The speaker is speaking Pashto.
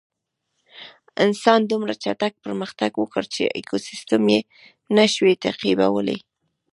انسان دومره چټک پرمختګ وکړ چې ایکوسېسټم یې نهشوی تعقیبولی.